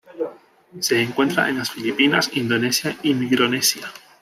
Se encuentra en las Filipinas, Indonesia y Micronesia.